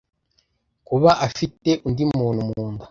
kuba afite undi muntu mu nda.